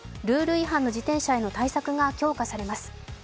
ルール違反の自転車への対策が強化されます。